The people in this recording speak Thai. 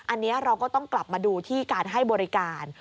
อันนี้เราก็ต้องกลับมาดูที่การให้บริการ